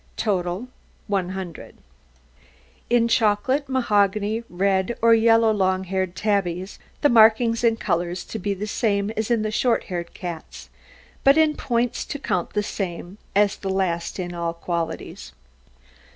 TOTAL 100 In chocolate, mahogany, red, or yellow long haired tabbies, the markings and colours to be the same as in the short haired cats; but in points to count the same as the last in all qualities.